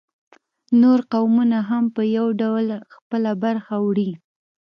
نور قومونه هم په یو ډول خپله برخه وړي